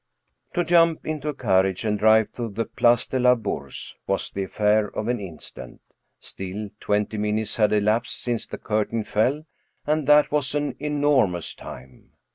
To jump into a carriage and drive to the Place de la Bourse was the affair of an instant ; still, twenty minutes had elapsed since the curtain fell, and that was an enormous time.